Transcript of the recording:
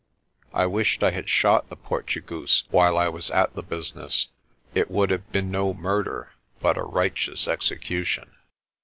I wished I had shot the Portugoose while I was at the business. It would have been no murder but a righteous execution.